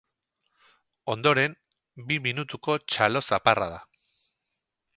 Ondoren, bi minutuko txalo zaparrada.